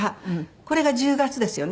これが１０月ですよね。